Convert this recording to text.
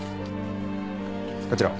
こちらを